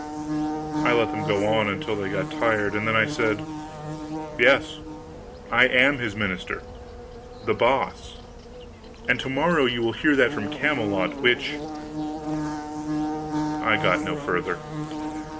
I let them go on until they got tired, and then I said: "Yes, I am his minister, The Boss; and to morrow you will hear that from Camelot which " I got no further.